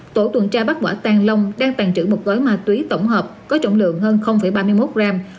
tổ tuần tra bắt vỏ tàn lông đang tàn trữ một gói ma túy tổng hợp có trọng lượng hơn ba mươi một gram